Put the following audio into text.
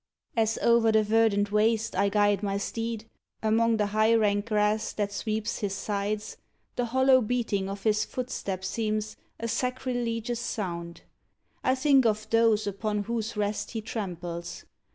As o'er the verdant waste I guide my steed, Among the high rank grass that sweeps his sides The hollow beating of his footstep seems A sacrilegious sound. I think of those Upon whose rest he tramples.